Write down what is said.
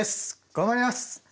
頑張ります。